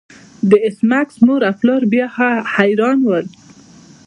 د ایس میکس مور او پلار بیا حیران نه وو